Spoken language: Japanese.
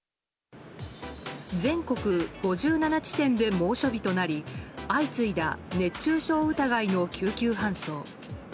全国５７地点で猛暑日となり相次いだ、熱中症疑いの救急搬送。